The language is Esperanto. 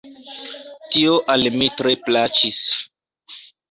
Tio al mi tre plaĉis.